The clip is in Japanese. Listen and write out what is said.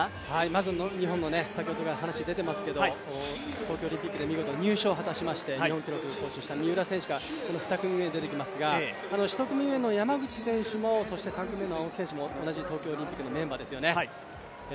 まず日本の先ほどから話し出てますけど東京オリンピックで見事入賞を果たしまして、日本記録を更新した三浦選手が２組目に出てきますが１組目の山口選手３組目も青木選手も同じ東京オリンピックのメンバーですよね。